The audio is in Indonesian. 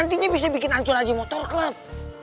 nantinya bisa bikin ancur aja motor klub